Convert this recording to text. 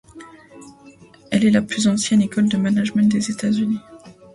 Elle est la plus ancienne école de management des États-Unis.